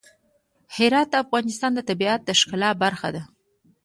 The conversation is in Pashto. هرات د افغانستان د طبیعت د ښکلا برخه ده.